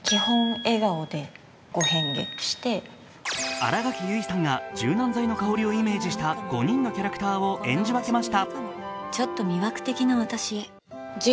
新垣結衣さんが柔軟剤の香りをイメージした５人のキャラクターを演じ分けました。